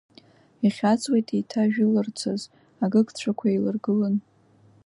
Ихьаҵуеит еиҭажәыларцаз, агыгцәақәа еиларгылан.